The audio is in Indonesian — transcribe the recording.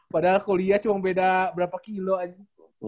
padahal kuliah cuma beda berapa kilo aja